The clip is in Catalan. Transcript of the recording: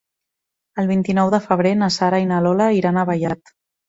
El vint-i-nou de febrer na Sara i na Lola iran a Vallat.